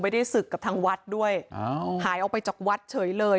ได้ศึกกับทางวัดด้วยอ้าวหายออกไปจากวัดเฉยเลย